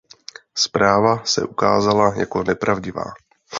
Zpráva se ukázala jako nepravdivá.